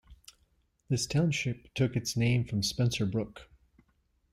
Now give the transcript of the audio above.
This township took its name from Spencer Brook.